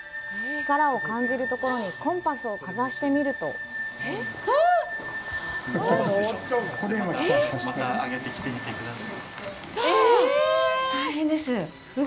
力を感じるところにコンパスをかざしてみると動いてる！